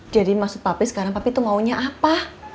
jadi maksud papi sekarang papi itu maunya apa